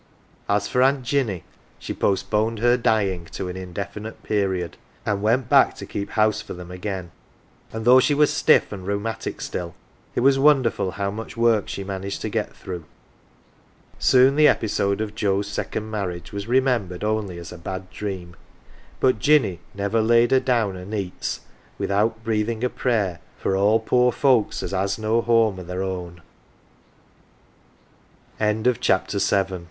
As for Aunt Jinny, she postponed her dying to an indefinite period, and went back to keep house for them again. And though she was stiff* and rheumatic still, it was won derful how much work she managed to get through. Soon the episode of Joe's second marriage was remem bered only as a bad dream ; but Jinny never laid her down " o" 1 neets "" without breathing a prayer " for all poor folks as has no home o' t